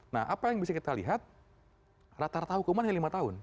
nah apa yang bisa kita lihat rata rata hukuman hanya lima tahun